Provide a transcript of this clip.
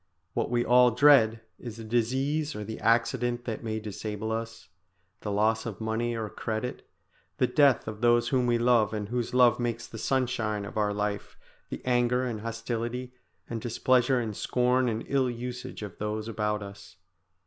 What we all dread is the disease or the accident that may disable us, the loss of money or credit, the death of those whom we love and whose love makes the sunshine of our life, the anger and hostility and displeasure and scorn and ill usage of those about us.